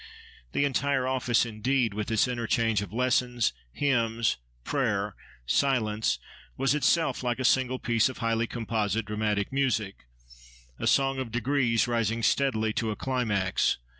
The entire office, indeed, with its interchange of lessons, hymns, prayer, silence, was itself like a single piece of highly composite, dramatic music; a "song of degrees," rising steadily to a climax.